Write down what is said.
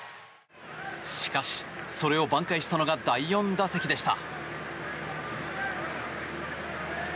しかし、それをばん回したのが第４打席でした。